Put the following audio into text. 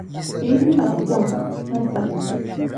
N yula kom pa dam.